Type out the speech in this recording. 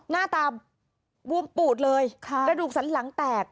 หน้าตาบวมปูดเลยกระดูกสันหลังแตก